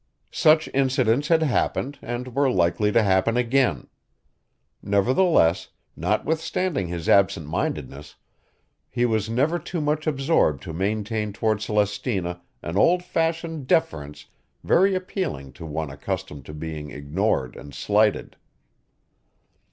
Such incidents had happened and were likely to happen again. Nevertheless, notwithstanding his absentmindedness, he was never too much absorbed to maintain toward Celestina an old fashioned deference very appealing to one accustomed to being ignored and slighted.